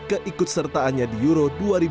keikut sertaannya di euro dua ribu dua puluh